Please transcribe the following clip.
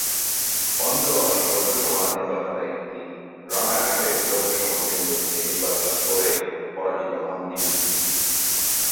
পঞ্চদশ লোকসভা নির্বাচনে তিনি রানাঘাট লোকসভা কেন্দ্র থেকে নির্বাচন করে পরাজিত হন তিনি।